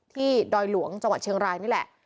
ดอยหลวงจังหวัดเชียงรายนี่แหละ